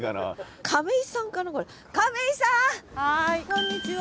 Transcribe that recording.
こんにちは。